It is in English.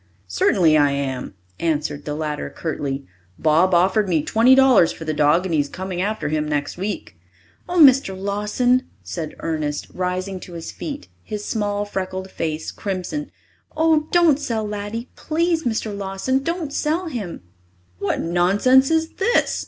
"Certainly I am," answered the latter curtly. "Bob offered me twenty dollars for the dog, and he's coming after him next week." "Oh, Mr. Lawson," said Ernest, rising to his feet, his small, freckled face crimson. "Oh, don't sell Laddie! Please, Mr. Lawson, don't sell him!" "What nonsense is this?"